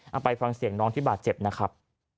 เอาไปฟังเสียงน้องที่บาดเจ็บนะครับ